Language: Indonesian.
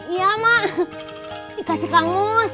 iya mak dikasih kangus